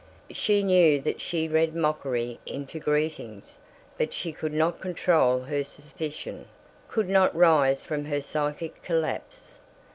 She knew that she read mockery into greetings but she could not control her suspicion, could not rise from her psychic collapse.